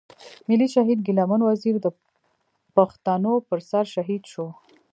ملي شهيد ګيله من وزير د پښتنو پر سر شهيد شو.